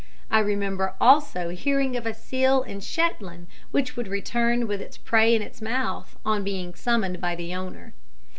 I remember also hearing of a seal in Shetland which would return with its prey in its mouth on being summoned by the owner.